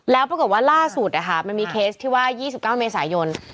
แล้วปรากฏว่าล่าสุดมันมีเคสที่ว่า๒๙เมษายน